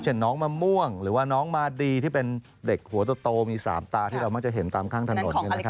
น้องมะม่วงหรือว่าน้องมาดีที่เป็นเด็กหัวโตมี๓ตาที่เรามักจะเห็นตามข้างถนน